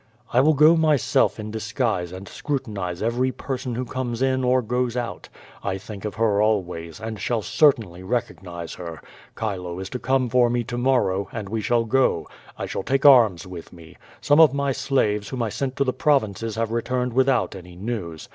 I will go myself in disguise and scrutinize every person who comes in or goes out. I think of her always, and shall certainly recognize her. Chilo is to come for me to morrow, and we shall go. I shall take arms with me. Some of my slaves whom I sent to the provinces have returned without any news.